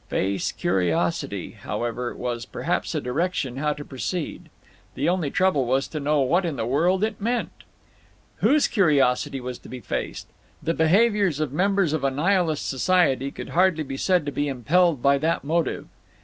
"Face curiosity," however, was perhaps a direction how to proceed. The only trouble was to know what in the world it meant! Whose curiosity was to be faced? The behaviour of members of a Nihilist society could hardly be said to be impelled by that motive.